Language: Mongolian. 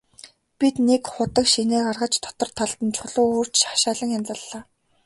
Бид нэг худаг шинээр гаргаж, дотор талд нь чулуу өрж хашаалан янзаллаа.